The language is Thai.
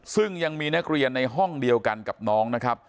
ซึ่งยังมีนักเรียนในห้องเดียวกันกับน้องนะครับ